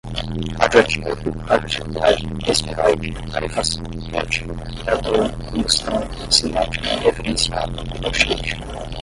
radioativo, radioatividade, esferoide, rarefação, reativo, reator, combustão, cinética, referencial, ricochete